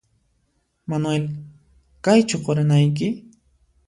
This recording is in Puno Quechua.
Manuel ¿Kaychu quranayki?